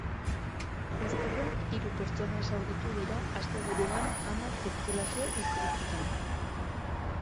Guztira, hiru pertsona zauritu dira asteburuan hamar zirkulazio istriputan.